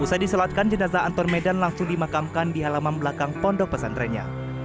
usai disolatkan jenazah anton medan langsung dimakamkan di halaman belakang pondok pesantrennya